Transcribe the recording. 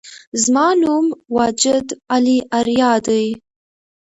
زما نوم واجد علي آریا دی